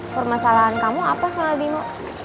permasalahan kamu apa sama bimo